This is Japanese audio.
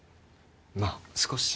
まあ少し。